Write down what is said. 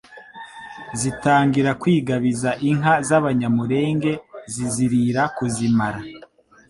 zitangira kwigabiza inka z'Abanyamulenge zizirira kuzimara